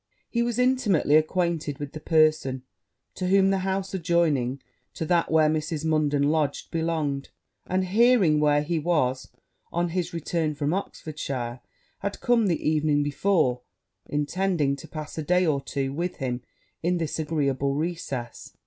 He was intimately acquainted with the person to whom the house adjoining to that where Mrs. Munden lodged belonged; and, hearing where he was, on his return from Oxfordshire, had come the evening before, intending to pass a day or two with him in this agreeable recess.